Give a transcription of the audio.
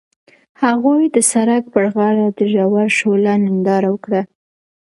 هغوی د سړک پر غاړه د ژور شعله ننداره وکړه.